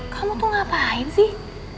kamu tuh ngapain sih